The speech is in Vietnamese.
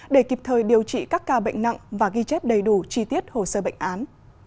để kịp thời điều trị các ca bệnh nặng và ghi chép đầy đủ chi tiết hồ sơ bệnh án